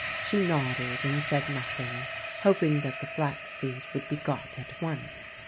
She nodded and said nothing, hoping that the flax seed would be got at once.